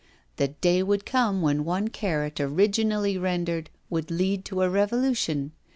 The day would come when one carrot, originally rendered, would lead to a revolution.